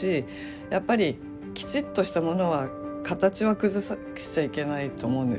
やっぱりきちっとしたものは形は崩しちゃいけないと思うんですよね。